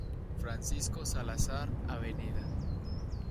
Francisco Salazar, Av.